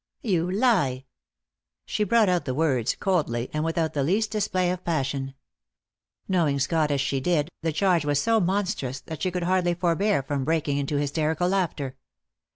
"You lie!" She brought out the words coldly, and without the least display of passion. Knowing Scott as she did, the charge was so monstrous that she could hardly forbear from breaking into hysterical laughter.